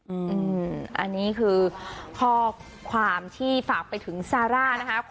อืมอันนี้คือข้อความที่ฝากไปถึงซาร่านะคะ